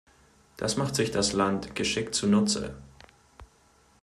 Das macht sich das Land geschickt zunutze.